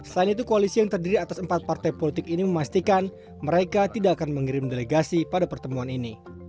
selain itu koalisi yang terdiri atas empat partai politik ini memastikan mereka tidak akan mengirim delegasi pada pertemuan ini